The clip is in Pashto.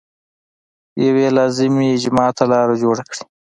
یوې لازمي اجماع ته لار جوړه کړي.